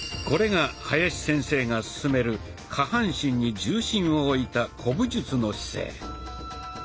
これが林先生が勧める下半身に重心を置いた「古武術の姿勢」。